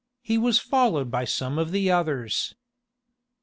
He was followed by some of the others.